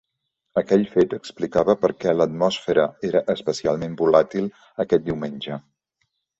Aquell fet explicava per què l"atmosfera era especialment volàtil aquest diumenge.